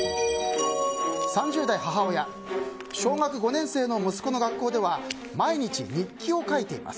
３０代母親小学５年生の息子の学校では毎日、日記を書いています。